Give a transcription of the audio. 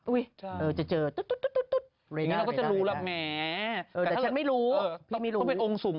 อุ๊ยจะเจอตุ๊ด